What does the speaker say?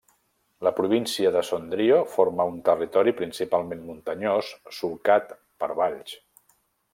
La província de Sondrio forma un territori principalment muntanyós solcat per valls.